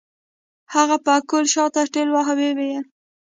هغه پکول شاته ټېلوهه وويل.